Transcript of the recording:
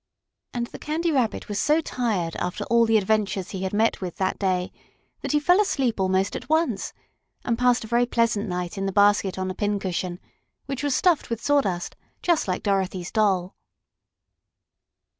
And the Candy Rabbit was so tired after all the adventures he had met with that day that he fell asleep almost at once, and passed a very pleasant night in the basket on the pin cushion, which was stuffed with sawdust, just like Dorothy's doll.